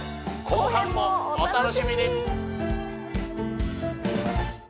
後編もお楽しみに！